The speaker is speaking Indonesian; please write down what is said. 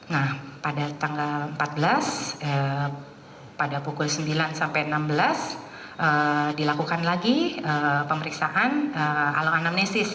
nah pada tanggal empat belas pada pukul sembilan sampai enam belas dilakukan lagi pemeriksaan aloanamnesis